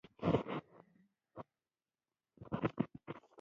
هېڅوک د ازل څخه کمزوری نه دی.